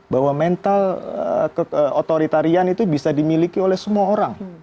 bahwa mental keotoritarian itu bisa dimiliki oleh semua orang